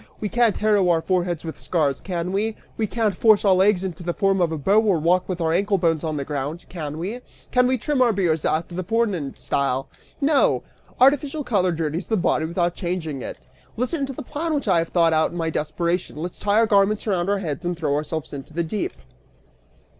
We can't harrow our foreheads with scars, can we? We can't force our legs out into the form of a bow or walk with our ankle bones on the ground, can we? Can we trim our beards after the foreign style? No! Artificial color dirties the body without changing it. Listen to the plan which I have thought out in my desperation; let's tie our garments around our heads and throw ourselves into the deep!"